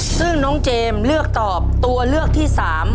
ซึ่งน้องเจมส์เลือกตอบตัวเลือกที่๓